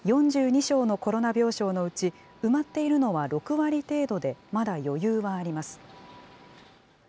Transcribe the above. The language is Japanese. ４２床のコロナ病床のうち、埋まっているのは６割程度で、まだ余裕はあります。